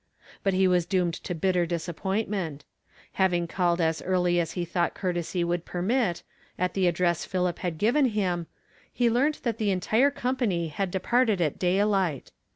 But he was doomed to bitter disappointment. Having called as early as he thought courtesy would permit, at the address Philip had given him he earned that the entire company had departed at daylight.